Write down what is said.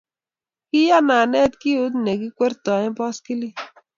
Kiiyan anet kiut ne kwertoi boskilit.